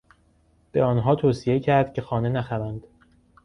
به آنها توصیه کرد که خانه نخرند.